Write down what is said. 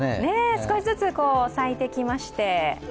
少しずつ咲いてきまして。